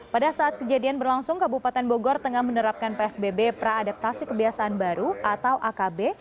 pada saat kejadian berlangsung kabupaten bogor tengah menerapkan psbb praadaptasi kebiasaan baru atau akb